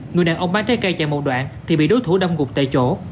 người đàn ông bán trái cây chạy một đoạn thì bị đối thủ đâm gục tại chỗ